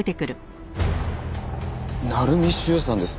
鳴海修さんです。